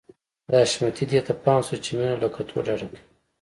د حشمتي دې ته پام شو چې مينه له کتو ډډه کوي.